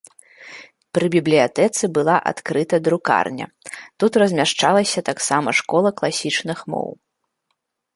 Пры бібліятэцы была адкрыта друкарня, тут размяшчалася таксама школа класічных моў.